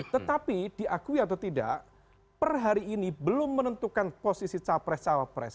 tetapi diakui atau tidak per hari ini belum menentukan posisi capres cawapres